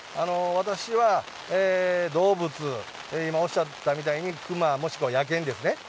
私は動物、今おっしゃったみたいに熊、もしくは野犬ですね。